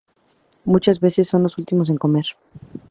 Muchas veces son los últimos en comer.